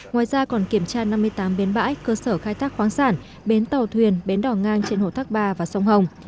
ngoài ra còn kiểm tra năm mươi tám bến bãi cơ sở khai thác khoáng sản bến tàu thuyền bến đỏ ngang trên hồ thác bà và sông hồng